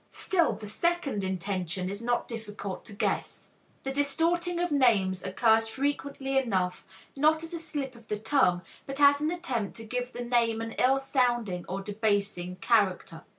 Still, the second intention is not difficult to guess. The distorting of names occurs frequently enough not as a slip of the tongue, but as an attempt to give the name an ill sounding or debasing character.